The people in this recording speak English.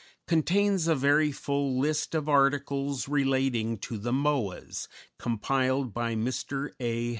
contains a very full list of articles relating to the Moas, compiled by Mr. A.